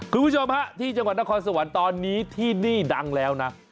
คุณผู้ชมฮะที่จังหวัดนครสวรรค์ตอนนี้ที่นี่ดังแล้วนะ